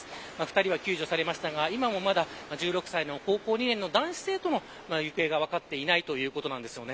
２人は救助されましたが今もまだ１６歳の高校２年の男子生徒は見つかっていないということです。